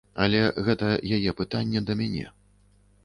Але гэта яе пытанне да мяне.